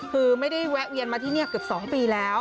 คือไม่ได้แวะเวียนมาที่นี่เกือบ๒ปีแล้ว